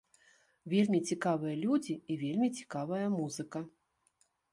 Вельмі цікавыя людзі і вельмі цікавая музыка.